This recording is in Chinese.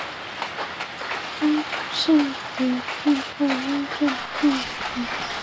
当是为避讳雍正帝名。